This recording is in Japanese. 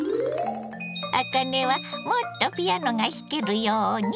あかねは「もっとピアノがひけるように」。